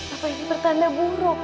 apa ini pertanda buruk